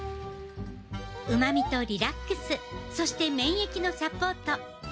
うまみとリラックスそして免疫のサポート。